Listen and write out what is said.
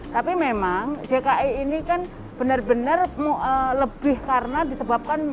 tapi memang dki ini kan benar benar lebih karena disebabkan